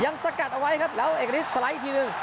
สกัดเอาไว้ครับแล้วเอกฤทธิสไลด์อีกทีหนึ่ง